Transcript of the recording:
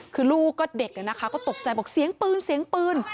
คือลูกก็เด็กนะคะก็ตกใจบอกเสียงปืนเสียงปืน